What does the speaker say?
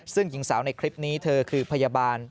ซึ่งหญิงสาวในคลิปนี้เธอคือพยาบาล